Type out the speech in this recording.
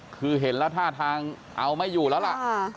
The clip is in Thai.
คือเห็นแล้วท่าทางเอาไม่อยู่แล้วล่ะ